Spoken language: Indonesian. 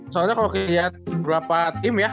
soalnya kalau kelihatan beberapa tim ya